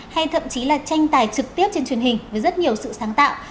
hay thậm chí là tranh tài trực tiếp trên truyền hình với rất nhiều sự sáng tạo